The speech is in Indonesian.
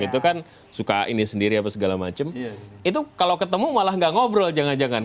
itu kan suka ini sendiri apa segala macem itu kalau ketemu malah nggak ngobrol jangan jangan